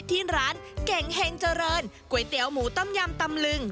ที่ร้านเก่งเฮงเจริญก๋วยเตี๋ยวหมูต้มยำตำลึง